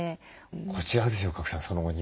こちらですよ賀来さんそのお庭。